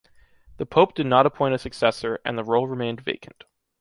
The Pope did not appoint a successor, and the role remained vacant.